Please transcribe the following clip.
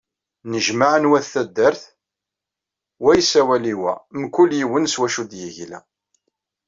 Nnejmaɛen wat taddart wa yessawal i wa, mkul yiwen s wacu i d-yegla.